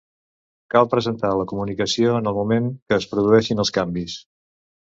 Cal presentar la comunicació en el moment que es produeixin els canvis.